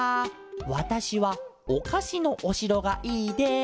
わたしはおかしのおしろがいいです」。